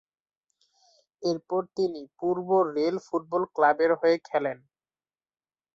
এরপর তিনি পূর্ব rail football ক্লাবের হয়ে খেলেন।